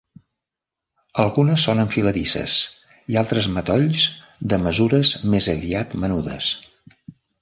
Algunes són enfiladisses i altres matolls de mesures més aviat menudes.